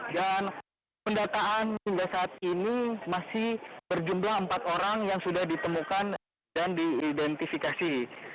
dan pendataan hingga saat ini masih berjumlah empat orang yang sudah ditemukan dan diidentifikasi